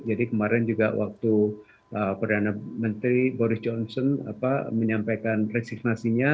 jadi kemarin juga waktu perdana menteri boris johnson menyampaikan resignasinya